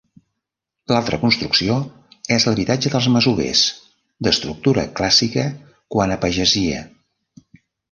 L'altra construcció és l'habitatge dels masovers d'estructura clàssica quant a pagesia.